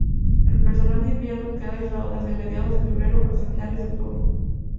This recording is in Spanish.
El personal de invierno queda aislado desde mediados de febrero hasta finales de octubre.